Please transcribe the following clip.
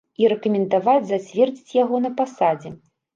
І рэкамендаваць зацвердзіць яго на пасадзе.